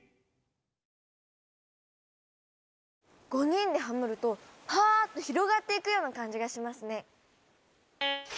５人でハモるとパーッと広がっていくような感じがしますね！